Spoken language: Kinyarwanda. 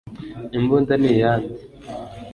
imbunda niya nde